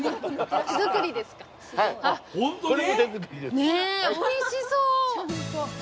ねおいしそう！